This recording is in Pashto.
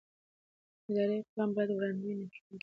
اداري اقدام باید وړاندوينه کېدونکی وي.